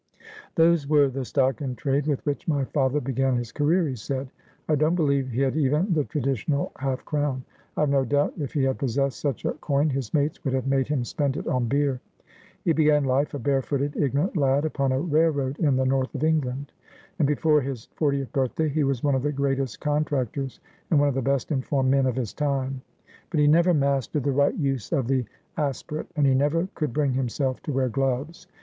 ' Those were the stock in trade with which my father began his career,' he said. ' I don't believe he had even the tradi tional half crown. I've no doubt if he had possessed such a coin his mates would have made him spend it on beer. He began life, a barefooted, ignorant lad, upon a railroad in the north of England ; and before his fortieth birthday he was one of the greatest contractors and one of the best informed men of his time ; but he never mastered the right use of the aspi rate, and he never could bring himself to wear gloves.